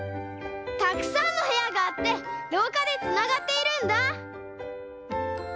たくさんのへやがあってろうかでつながっているんだ。